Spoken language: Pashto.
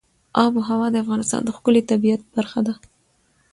آب وهوا د افغانستان د ښکلي طبیعت برخه ده.